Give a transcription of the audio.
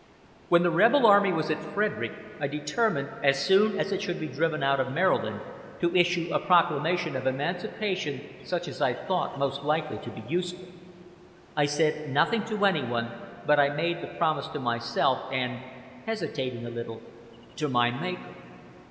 When the rebel army was at Frederick I determined, as soon as it should be driven out of Maryland, to issue a proclamation of emancipation, such as I thought most likely to be useful. I said nothing to anyone, but I made the promise to myself, and [hesitating a little] to my Maker.